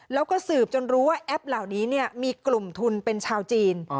แล้วก็สืบจนรู้ว่าแอปเหล่านี้มีกลุ่มทุนเป็นชาวจีน